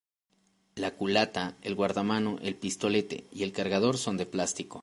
La culata, el guardamano, el pistolete y el cargador son de plástico.